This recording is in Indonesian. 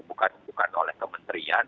bukan oleh kementerian